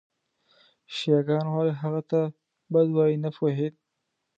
شیعه ګان ولې هغه ته بد وایي نه پوهېد.